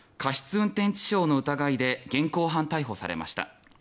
運転致傷の疑いで現行犯逮捕されました。